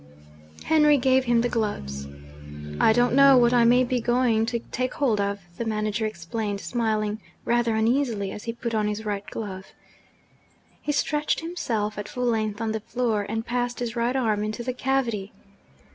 Henry gave him the gloves. 'I don't know what I may be going to take hold of,' the manager explained, smiling rather uneasily as he put on his right glove. He stretched himself at full length on the floor, and passed his right arm into the cavity.